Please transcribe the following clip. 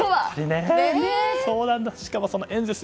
しかもエンゼルス